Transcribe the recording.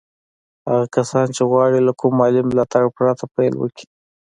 هغه کسان چې غواړي له کوم مالي ملاتړ پرته پيل وکړي.